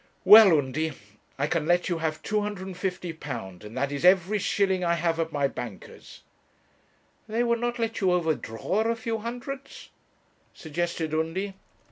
'Well, Undy, I can let you have £250, and that is every shilling I have at my banker's.' 'They would not let you overdraw a few hundreds?' suggested Undy.